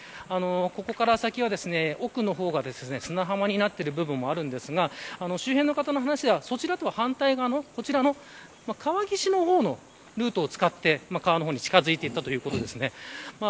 ここから先は、奥の方は砂浜になっている部分もありますが周辺の方の話ではそちらとは反対側のこちらの川岸の方のルートを使って川に近づいていったということです。